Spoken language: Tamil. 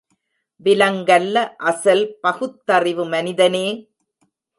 விலங்கல்ல அசல் பகுத்தறிவு மனிதனே!